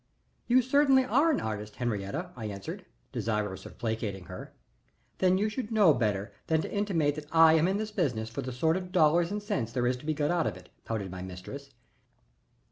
"You certainly are an artist, Henriette," I answered, desirous of placating her. "Then you should know better than to intimate that I am in this business for the sordid dollars and cents there are to be got out of it," pouted my mistress.